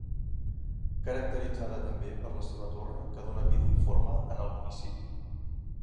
Caracteritzada també per la seva torre que dóna vida i forma en el municipi.